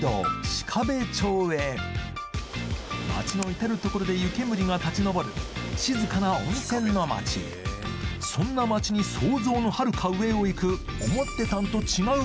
鹿部町へ町の至る所で湯煙が立ち上る静かな温泉の町そんな町に想像の遥か上をいく「思ってたんと違う！」